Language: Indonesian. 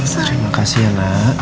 terima kasih ya nak